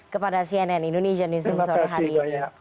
kepada cnn indonesia news selamat hari